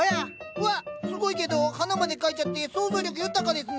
うわっすごいけど花まで描いちゃって想像力豊かですね。